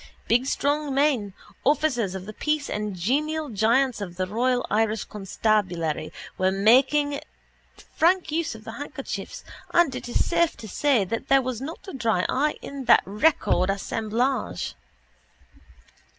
Big strong men, officers of the peace and genial giants of the royal Irish constabulary, were making frank use of their handkerchiefs and it is safe to say that there was not a dry eye in that record assemblage.